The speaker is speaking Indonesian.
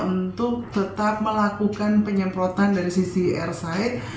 untuk tetap melakukan penyemprotan dari sisi airside